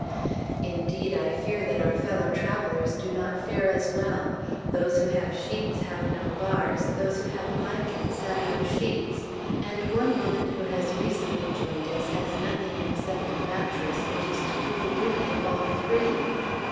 Indeed, I fear that our fellow travelers do not fare as well. Those who have sheets have no bars; those who have blankets have no sheets; and one woman who has recently joined us has nothing except a mattress which is to do the duty of all three.